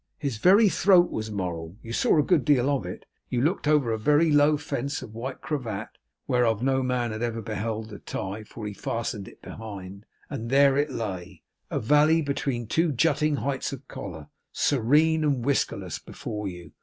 His very throat was moral. You saw a good deal of it. You looked over a very low fence of white cravat (whereof no man had ever beheld the tie for he fastened it behind), and there it lay, a valley between two jutting heights of collar, serene and whiskerless before you.